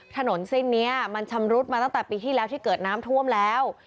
ถนนเส้นนี้มันชำรุดมาตั้งแต่ปีที่แล้วที่เกิดน้ำท่วมแล้ว